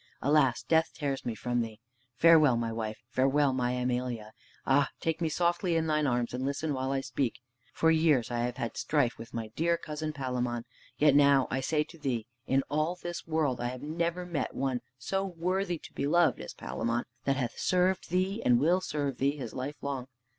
Alas, death tears me from thee! Farewell, my wife! farewell, my Emelia! Ah, take me softly in thine arms, and listen while I speak! For years I have had strife with my dear cousin Palamon. Yet now I say to thee, in all this world I never have met with one so worthy to be loved as Palamon, that hath served thee, and will serve thee, his life long.